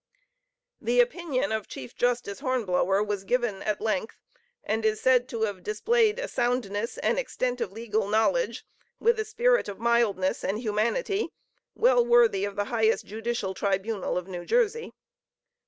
The opinion of Chief Justice Hornblower was given at length, and is said to have displayed a soundness and extent of legal knowledge, with a spirit of mildness and humanity, well worthy of the highest judicial tribunal of New Jersey.